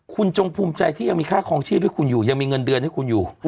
คุณจงภูมิใจที่ยังมีค่าคลองชีพให้คุณอยู่ยังมีเงินเดือนให้คุณอยู่